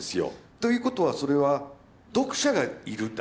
ということはそれは読者がいるんだ。